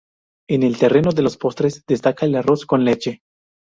En el terreno de los postres destaca el arroz con leche.